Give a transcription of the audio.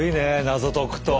謎解くと。